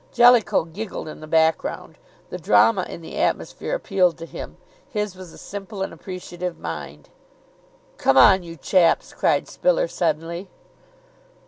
Jellicoe giggled in the background; the drama in the atmosphere appealed to him. His was a simple and appreciative mind. "Come on, you chaps," cried Spiller suddenly.